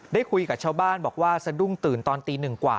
ได้คุยกับชาวบ้านบอกว่าสะดุ้งตื่นตอนตีหนึ่งกว่า